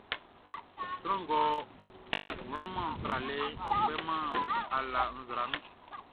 Sran ngʼɔ wlaman tralɛʼn, ɔ kpêman ala nzra nun.